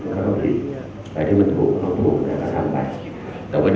ขอบคุณครับ